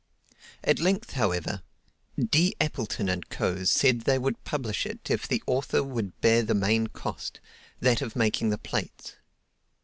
At length, however, D. Appleton & Co. said they would publish it if the author would bear the main cost, that of making the plates.